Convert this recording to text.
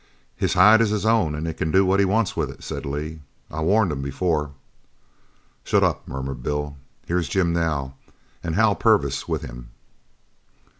"His hide is his own and he can do what he wants with it," said Lee. "I warned him before." "Shut up," murmured Bill, "Here's Jim now, and Hal Purvis with him!"